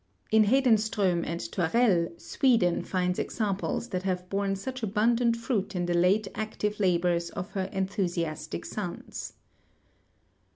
In Hedenstrdin and Torrell Sweden finds examples that have borne such abundant fruit in the late active labors of her en thusiastic sons.